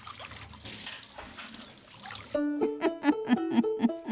フフフフフ。